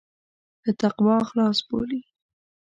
له تقوا خلاص بولي.